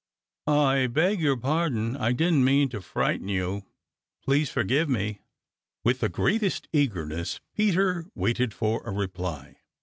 "I beg your pardon. I didn't mean to frighten you. Please forgive me." With the greatest eagerness Peter waited for a reply.